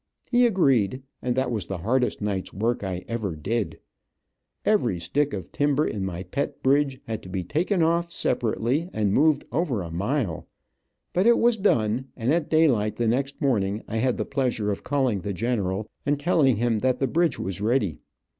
He agreed, and that was the hardest nights work I ever did. Every stick of timber in my pet bridge had to be taken off separately, and moved over a mile, but it was done, and at daylight the next morning I had the pleasure of calling the general and telling him that the bridge was ready.